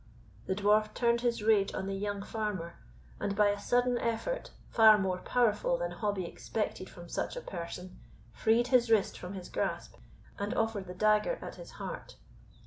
The Dwarf turned his rage on the young farmer; and, by a sudden effort, far more powerful than Hobbie expected from such a person, freed his wrist from his grasp, and offered the dagger at his heart.